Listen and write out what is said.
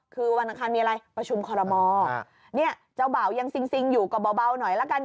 คือวันอังคารมีอะไรประชุมคอรมอเนี่ยเจ้าบ่าวยังซิงอยู่ก็เบาหน่อยละกัน